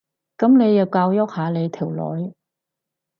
噉你要教育下你條女